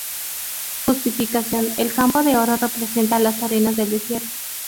Justificación: El campo de oro representa a las arenas del desierto.